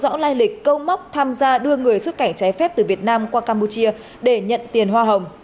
rõ lai lịch câu móc tham gia đưa người xuất cảnh trái phép từ việt nam qua campuchia để nhận tiền hoa hồng